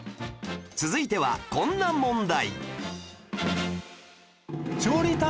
続いてはこんな問題